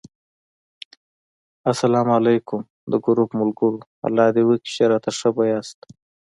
اسلام علیکم! د ګروپ ملګرو! الله دې وکړي چې راته ښه وی